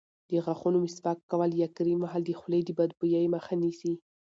د غاښونو مسواک کول یا کریم وهل د خولې د بدبویۍ مخه نیسي.